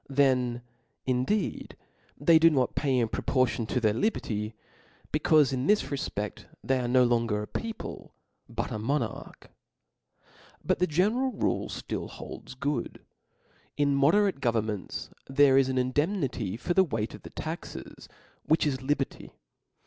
Then indeed, they do not pay in proportion to their liberty, becaufe in this refpcdt they are no longer a people, but a monarch. But the general rule ftill holds good. In mode rate governments there is an indemnity for the weight of the taxes, which is liberty.